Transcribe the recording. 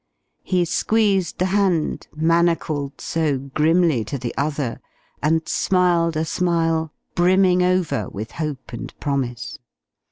He squeezed the hand, manacled so grimly to the other, and smiled a smile brimming over with hope and promise.